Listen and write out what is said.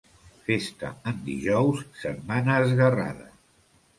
Festa en dijous, setmana esguerrada.